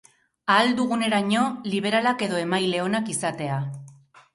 Ahal duguneraino liberalak edo emaile onak izatea.